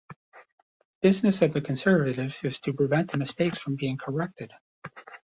The business of the Conservatives is to prevent the mistakes from being corrected.